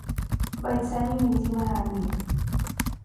бойцами невидимой армии.